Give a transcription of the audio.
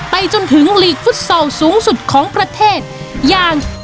จนถึงลีกฟุตซอลสูงสุดของประเทศอย่าง